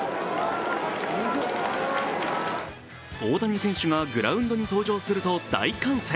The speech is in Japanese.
大谷選手がグラウンドに登場すると大歓声。